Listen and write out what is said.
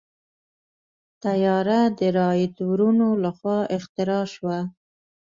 طیاره د رائټ وروڼو لخوا اختراع شوه.